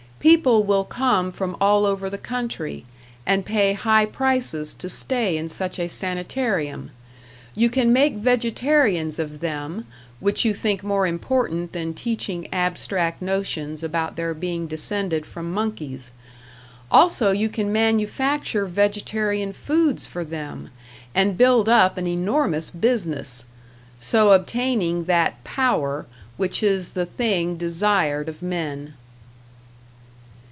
People will come from all over the country, and pay high prices to stay in such a sanitarium; you can make vegetarians of them, which you think more important than teaching abstract notions about their being descended from monkeys. Also you can manufacture vegetarian foods for them, and build up an enormous business so obtaining that Power which is the thing desired of men.